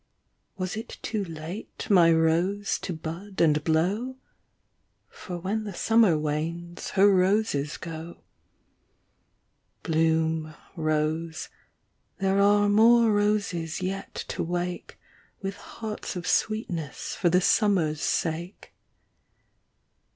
Was it too late, my rose, to bud and blow ? For when the summer wanes her roses go : Bloom, rose, there are more roses yet to wake. With hearts of sweetness for the summer's sake.